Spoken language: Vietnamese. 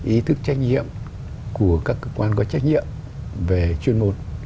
ý thức trách nhiệm của các cơ quan có trách nhiệm về chuyên môn